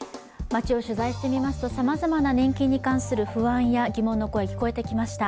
街を取材してみますとさまざまな年金に関する不安や疑問の声、聞こえてきました。